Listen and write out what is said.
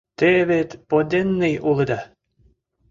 Те вет поденный улыда.